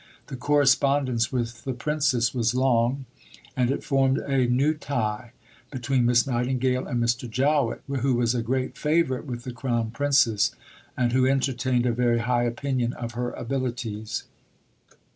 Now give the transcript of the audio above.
The correspondence with the Princess was long, and it formed a new tie between Miss Nightingale and Mr. Jowett, who was a great favourite with the Crown Princess and who entertained a very high opinion of her abilities.